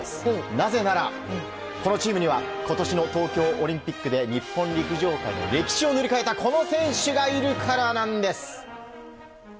なぜなら、このチームには今年の東京オリンピックで日本陸上界の歴史を塗り替えたこの選手がいるからなんです！